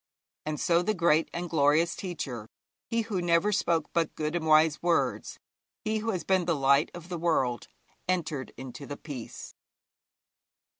And so 'the great and glorious teacher,' he who never spoke but good and wise words, he who has been the light of the world, entered into the Peace.